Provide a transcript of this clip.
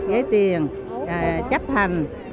với tiền chấp hành